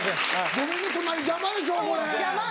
ごめんね隣邪魔でしょこれ。